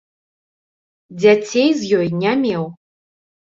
Дзяцей з ёй не меў.